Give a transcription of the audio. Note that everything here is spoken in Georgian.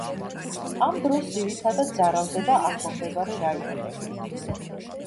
ამ დროს ძირითადად ზარალდება ახლო მდებარე რაიონები.